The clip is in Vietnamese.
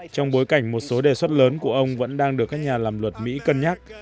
trong bối cảnh một số đề xuất lớn của ông vẫn đang được các nhà làm luật mỹ cân nhắc